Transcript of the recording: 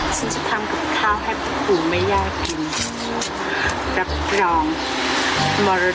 ฉันจะทำกับข้าวให้พ่อผู้ไม่ยากกินรับรองมรดกข้าว